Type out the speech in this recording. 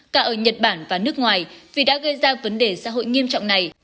cả ở nhật bản và nước ngoài vì đã gây ra vấn đề xã hội nghiêm trọng này